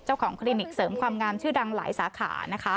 เจ้าของคลินิกเสริมความงามชื่อดังหลายสาขา